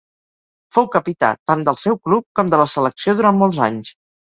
Fou capità tant del seu club com de la selecció durant molts anys.